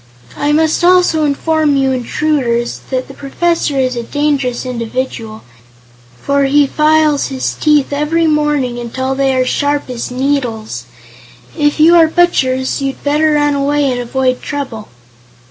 "I must also inform you intruders that the Professor is a dangerous individual, for he files his teeth every morning until they are sharp as needles. If you are butchers, you'd better run away and avoid trouble."